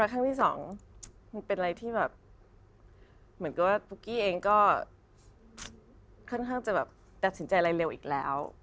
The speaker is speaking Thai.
ค่อนข้างจะแบบแบบถึงใจอะไรเร็วอีกแล้ว